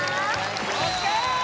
ＯＫ！